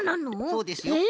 そうですよ。え！